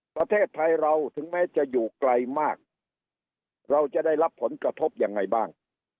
ประเทศไทยเราถึงแม้จะอยู่ไกลมากเราจะได้รับผลกระทบยังไงบ้าง